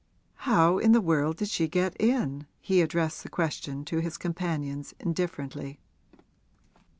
'How in the world did she get in?' He addressed the question to his companions indifferently.